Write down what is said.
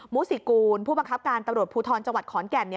มุสิกูลผู้บังคับการตำรวจภูทรจังหวัดขอนแก่น